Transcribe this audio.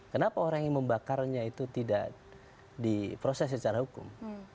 kenapa orang yang membakarnya itu tidak diproses secara hukum